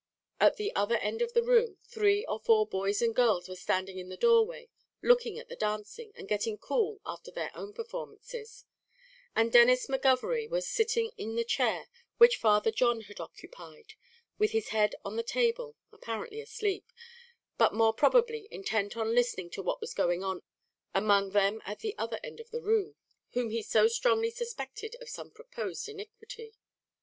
At the other end of the room, three or four boys and girls were standing in the door way, looking at the dancing, and getting cool after their own performances; and Denis McGovery was sitting in the chair which Father John had occupied, with his head on the table, apparently asleep, but more probably intent on listening to what was going on among them at the other end of the room, whom he so strongly suspected of some proposed iniquity.